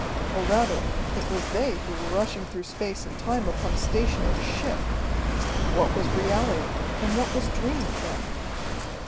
Or, rather, it was they who were rushing through space and time upon a stationary ship! What was reality, and what was dream, then?